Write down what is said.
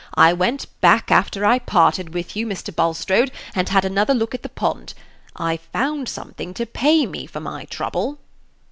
I went back after I parted with you, Mr. Bulstrode, and had another look at the pond. I found something to pay me for my trouble."